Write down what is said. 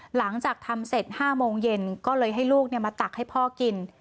หลังจากทำเสร็จ๕โมงเย็นก็เลยให้ลูกมาตักให้พ่อกิน